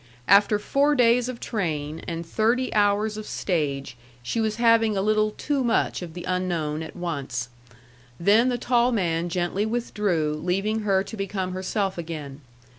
After four days of train and thirty hours of stage, she was having a little too much of the unknown at once. Then the tall man gently withdrew leaving her to become herself again.